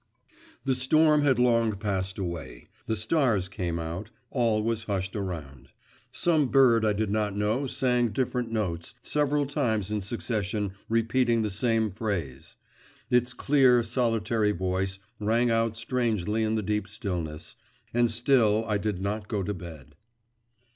… The storm had long passed away, the stars came out, all was hushed around. Some bird I did not know sang different notes, several times in succession repeating the same phrase. Its clear, solitary voice rang out strangely in the deep stillness; and still I did not go to bed.